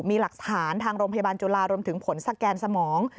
มีหลักฐานทางโรงพยาบาลจุฬารวมถึงผลสแกนสมอง